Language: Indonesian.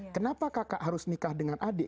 kenapa kakak harus nikah dengan adik